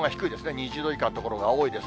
２０度以下の所が多いです。